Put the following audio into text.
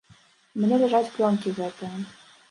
У мяне ляжаць плёнкі гэтыя.